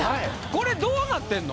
これどうなってんの？